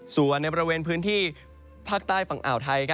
ส่วนในบริเวณพื้นที่ภาคใต้ฝั่งอ่าวไทย